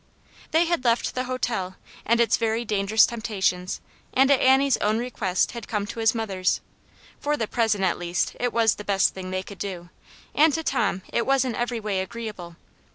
They had left the hotel and its very dangerous temptations, and at Annie's own request had come to his mother's. For the present, at least, it was the best thing they could do, and to Tom it was in every way agreeable.